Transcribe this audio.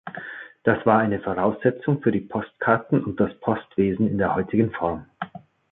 Das war eine Voraussetzung für die Postkarten und das Postwesen in der heutigen Form.